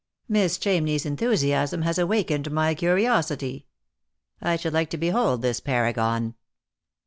Miss Chamney's enthusiasm has awakened my curiosity. I should like to behold this paragon."